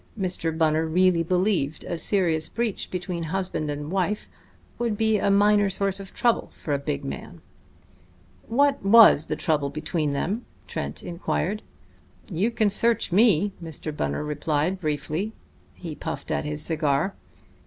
Mr. Bunner really believed a serious breach between husband and wife to be a minor source of trouble for a big man. "What was the trouble between them?" Trent inquired. "You can search me," Mr. Bunner replied briefly. He puffed at his cigar.